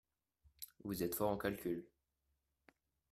Vous êtes fort en calcul